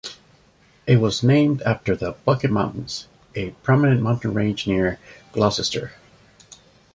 It was named after the Bucketts Mountains, a prominent mountain range near Gloucester.